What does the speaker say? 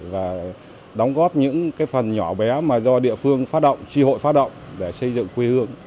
và đóng góp những phần nhỏ bé mà do địa phương phát động tri hội phát động để xây dựng quê hương